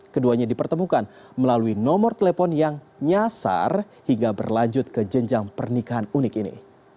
keduanya dipertemukan melalui nomor telepon yang nyasar hingga berlanjut ke jenjang pernikahan unik ini